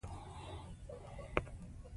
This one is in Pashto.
د ماشومانو لپاره تعلیم ضروري ده